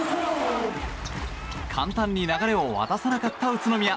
簡単に流れを渡さなかった宇都宮。